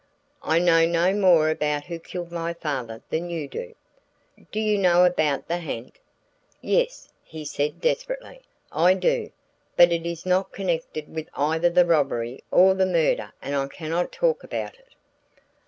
"I know no more about who killed my father than you do." "Do you know about the ha'nt?" "Yes," he said desperately, "I do; but it is not connected with either the robbery or the murder and I cannot talk about it."